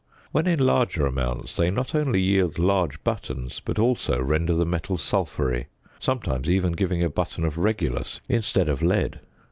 When in larger amounts, they not only yield large buttons, but also render the metal sulphury, sometimes even giving a button of regulus instead of lead.